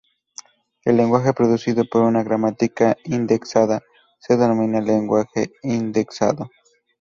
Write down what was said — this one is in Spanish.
El lenguaje producido por una gramática indexada se denomina lenguaje indexado.